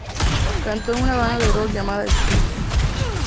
Cantó en una banda de rock llamada "Speed".